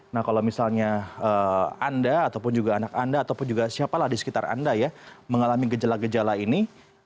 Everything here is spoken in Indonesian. nah kalau misalnya anda ataupun juga anak anda ataupun juga siapalah di sekitar anda ya mengalami gejala gejala ini